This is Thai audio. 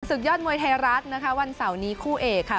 ยอดมวยไทยรัฐนะคะวันเสาร์นี้คู่เอกค่ะ